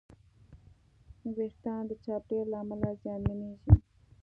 وېښتيان د چاپېریال له امله زیانمنېږي.